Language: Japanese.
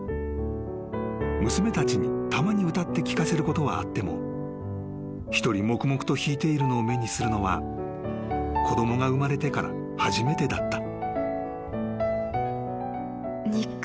［娘たちにたまに歌って聞かせることはあっても一人黙々と弾いているのを目にするのは子供が生まれてから初めてだった］